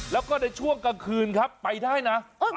แล้วก็ในช่วงกลางคืนครับไปได้นะ